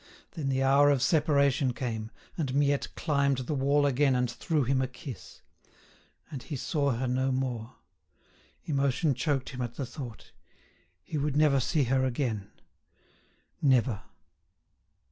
Then the hour of separation came, and Miette climbed the wall again and threw him a kiss. And he saw her no more. Emotion choked him at the thought: he would never see her again—never!